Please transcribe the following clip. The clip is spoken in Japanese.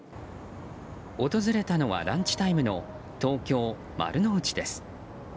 訪れたのはランチタイムの東京・丸の内です。